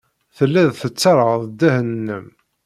Telliḍ tettarraḍ ddehn-nnem.